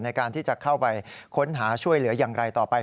ในการที่จะเข้าไปค้นหาช่วยเหลืออย่างไรต่อไป